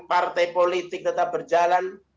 partai politik tetap berjalan